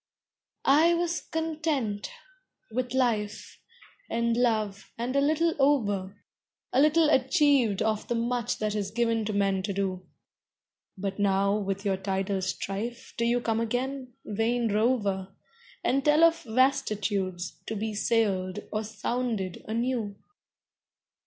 I was content with life, and love, and a little over; A little achieved of the much that is given to men to do. But now with your tidal strife do you come again, vain rover, And tell of vastitudes, to be sailed, or sounded, anew.